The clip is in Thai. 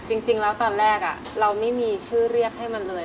จริงแล้วตอนแรกเราไม่มีชื่อเรียกให้มันเลย